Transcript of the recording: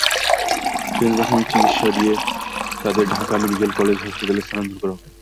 সেখানে প্রাথমিক চিকিৎসা দিয়ে তাঁদের ঢাকা মেডিকেল কলেজ হাসপাতালে স্থানান্তর করা হয়।